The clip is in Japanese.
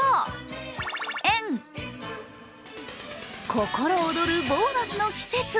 心躍るボーナスの季節。